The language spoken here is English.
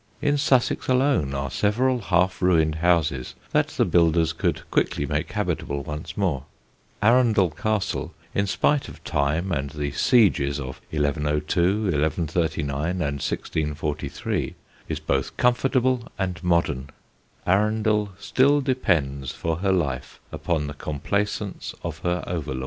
In Sussex alone are several half ruined houses that the builders could quickly make habitable once more. Arundel Castle, in spite of time and the sieges of 1102, 1139, and 1643, is both comfortable and modern; Arundel still depends for her life upon the complaisance of her over lord.